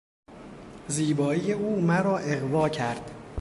زیبایی او مرا اغوا کرد.